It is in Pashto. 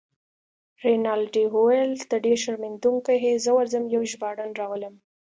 رینالډي وویل: ته ډیر شرمېدونکی يې، زه ورځم یو ژباړن راولم.